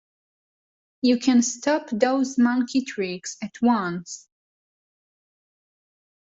You can stop those monkey tricks at once!